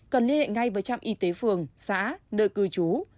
cần liên hệ ngay với trạm y tế phường xã nơi cư trú